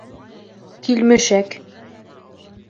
Килмешәк.